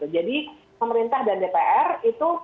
jadi pemerintah dan dpr itu